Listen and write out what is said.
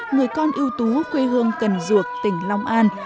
người con ưu tú quê hương cần duộc tỉnh long an